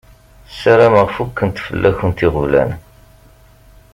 Sarameɣ fukken fell-akent iɣeblan.